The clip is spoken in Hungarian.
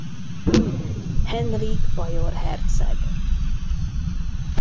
Henrik bajor herceg.